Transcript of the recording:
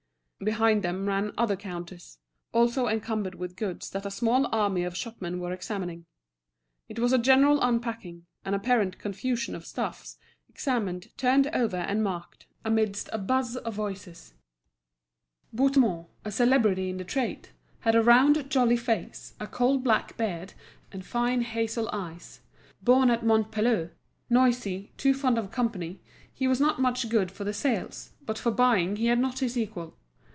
Behind them ran other counters, also encumbered with goods that a small army of shopmen were examining. It was a general unpacking, an apparent confusion of stuffs, examined, turned over, and marked, amidst a buzz of voices. Bouthemont, a celebrity in the trade, had a round, jolly face, a coal black beard, and fine hazel eves. Born at Montpellier, noisy, too fond of company, he was not much good for the sales, but for buying he had not his equal.